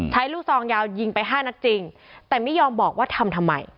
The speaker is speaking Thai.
ลูกซองยาวยิงไปห้านัดจริงแต่ไม่ยอมบอกว่าทำทำไม